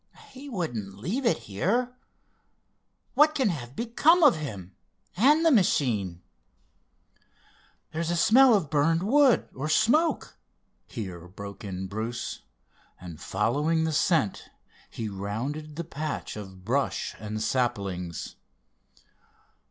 He wouldn't leave it here. What can have become of him, and the machine?" "There's a smell of burned wood, or smoke," here broke in Bruce, and following the scent he rounded the patch of brush and saplings.